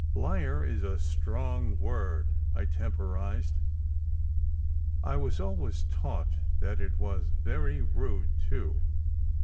" Liar is a strong word," I temporized. " I was always taught that it was very rude, too.